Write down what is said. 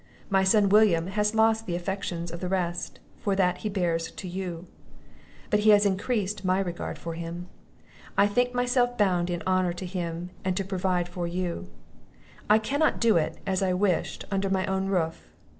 My son William has lost the affections of the rest, for that he bears to you; but he has increased my regard for him; I think myself bound in honour to him and you to provide for you; I cannot do it, as I wished, under my own roof.